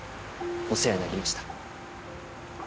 お世話になりました。